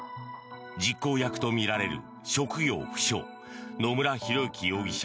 実行役とみられる職業不詳・野村広之容疑者